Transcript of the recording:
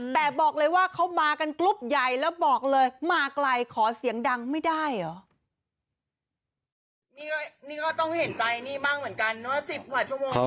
แต่บอกเลยว่าเขามากันกรุ๊ปใหญ่แล้วบอกเลยมาไกลขอเสียงดังไม่ได้เหรอ